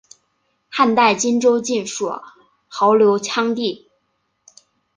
汉代今州境属牦牛羌地。